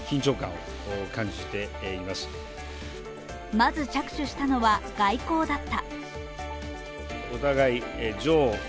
まず着手したのは、外交だった。